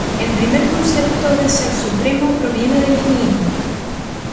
El primer concepto de ser supremo proviene del hinduismo.